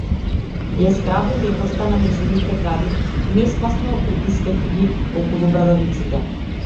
Ја зграби мекоста на нејзините гради, несмасно пристискајќи ги околу брадавиците.